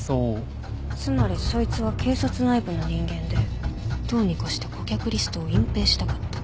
つまりそいつは警察内部の人間でどうにかして顧客リストを隠蔽したかった